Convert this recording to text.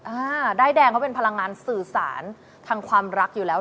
อ่าด้ายแดงเขาเป็นพลังงานสื่อสารทางความรักอยู่แล้ว